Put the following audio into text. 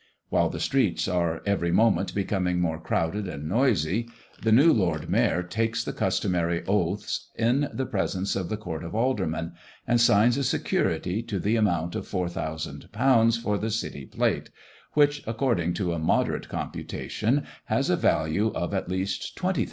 While the streets are every moment becoming more crowded and noisy, the new Lord Mayor takes the customary oaths in the presence of the Court of Aldermen, and signs a security to the amount of £4000 for the City plate, which, according to a moderate computation, has a value of at least £20,000.